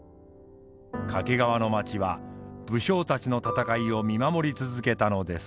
掛川の街は武将たちの戦いを見守り続けたのです。